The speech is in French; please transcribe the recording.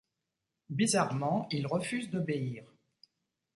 Bizarrement, il refuse d'obéir.